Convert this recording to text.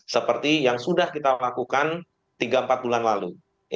seperti yang sudah kita lakukan tiga empat bulan lalu